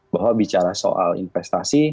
bahwa bicara soal investasi